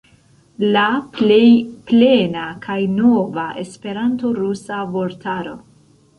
La plej plena kaj nova esperanto-rusa vortaro.